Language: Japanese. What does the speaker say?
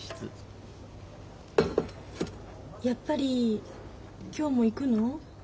やっぱり今日も行くの？